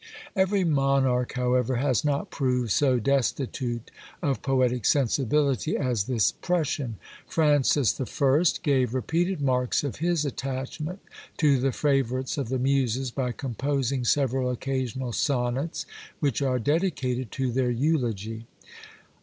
Every monarch, however, has not proved so destitute of poetic sensibility as this Prussian. Francis I. gave repeated marks of his attachment to the favourites of the muses, by composing several occasional sonnets, which are dedicated to their eulogy.